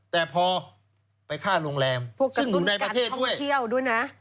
แต่พอไปฆ่าโลงแรมซึ่งอยู่ในประเทศด้วย